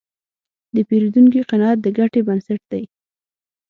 د پیرودونکي قناعت د ګټې بنسټ دی.